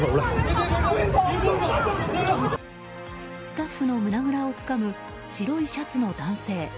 スタッフの胸ぐらをつかむ白いシャツの男性。